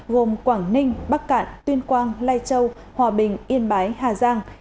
gồm quảng ninh bắc cạn tuyên quang lai châu hòa bình yên bái hà giang